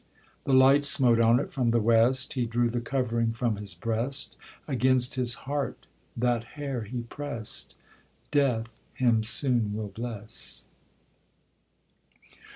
The light smote on it from the west; He drew the covering from his breast, Against his heart that hair he prest; Death him soon will bless.